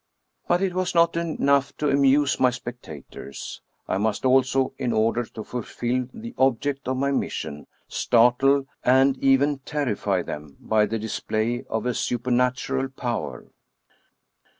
But it was not enough to amuse my spectators; I must also, in order to fulfill the object of my mission, startle and even terrify them by the display of a supernatural power.